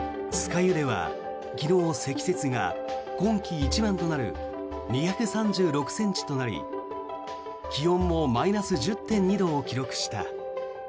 湯では昨日、積雪が今季一番となる２３６ｃｍとなり気温もマイナス１０．２度を記録した。